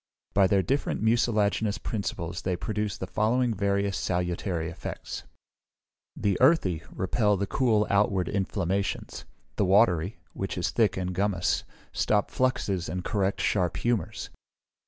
By their different mucilaginous principles they produce the following various salutary effects: The earthy repel and cool outward inflammations. The watery, which is thick and gummose, stop fluxes and correct sharp humours.